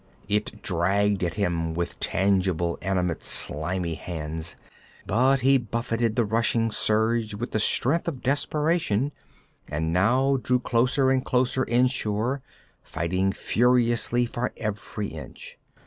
It dragged at him as with tangible, animate slimy hands, but he buffeted the rushing surge with the strength of desperation and now drew closer and closer inshore, fighting furiously for every inch.